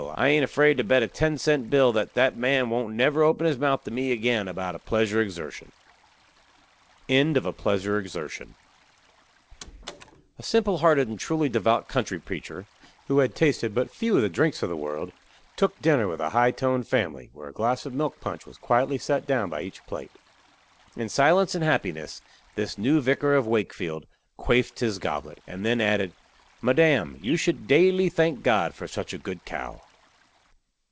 I hain't afraid to bet a ten cent bill that that man won't never open his mouth to me again about a pleasure exertion. A simple hearted and truly devout country preacher, who had tasted but few of the drinks of the world, took dinner with a high toned family, where a glass of milk punch was quietly set down by each plate. In silence and happiness this new Vicar of Wakefield quaffed his goblet, and then added, "Madam, you should daily thank God for such a good cow."